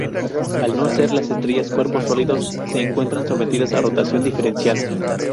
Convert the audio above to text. Al no ser las estrellas cuerpos sólidos, se encuentran sometidas a rotación diferencial.